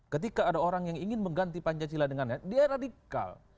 ketika ada orang yang ingin mengganti pancasila dengan dia radikal